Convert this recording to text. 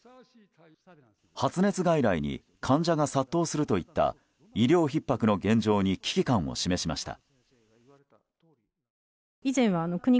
発熱外来に患者が殺到するといった医療ひっ迫の現状に危機感を示しました。